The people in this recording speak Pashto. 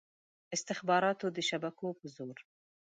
استخباراتو د شبکو په زور.